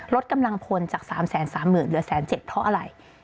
ลดกำลังพลจาก๓๓๐๐๐เหลือ๑๗๐๐เพราะอะไร